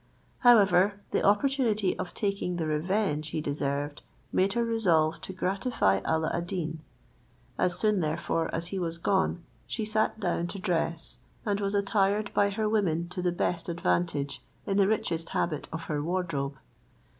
However, the opportunity of taking the revenge he deserved made her resolve to gratify Alla ad Deen. As soon, therefore, as he was gone, she sat down to dress, and was attired by her women to the best advantage in the richest habit of her wardrobe.